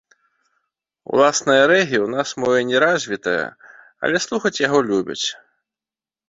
Уласнае рэгі ў нас мо і не развітае, але слухаць яго любяць.